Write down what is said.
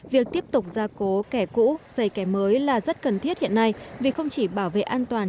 việc tiếp tục gia cố kè cũ xây kè mới là rất cần thiết hiện nay vì không chỉ bảo vệ an toàn